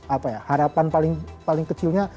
apa ya harapan paling kecilnya